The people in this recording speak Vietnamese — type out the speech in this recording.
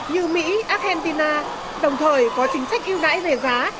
như mỹ argentina đồng thời có chính sách yêu đáy về giá